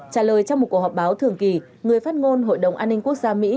trả lời trong một cuộc họp báo thường kỳ người phát ngôn hội đồng an ninh quốc gia mỹ